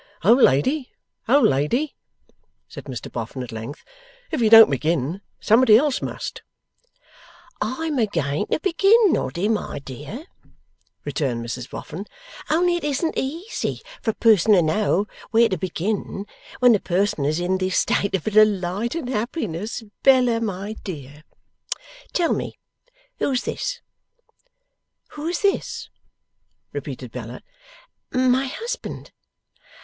'Old lady, old lady,' said Mr Boffin, at length; 'if you don't begin somebody else must.' 'I'm a going to begin, Noddy, my dear,' returned Mrs Boffin. 'Only it isn't easy for a person to know where to begin, when a person is in this state of delight and happiness. Bella, my dear. Tell me, who's this?' 'Who is this?' repeated Bella. 'My husband.